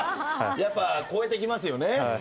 やっぱ超えてきますよね。